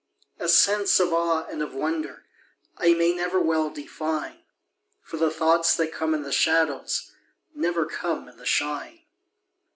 A sense of awe and of wonder I may never well define, For the thoughts that come in the shadows Never come in the shine.